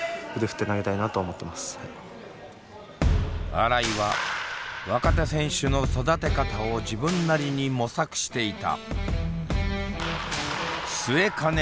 新井は若手選手の育て方を自分なりに模索していた。